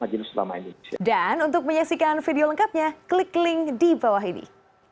dan untuk menyaksikan video lengkapnya klik link di bawah ini